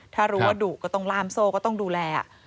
ถ้ารู้ว่าดุก็ต้องล่ามโซ่ก็ต้องดูแล